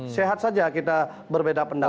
sehat saja kita berbeda pendapat